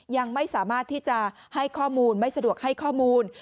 ยังไม่สามารถที่จะให้ข้อมูลไม่สะดวกให้ข้อมูล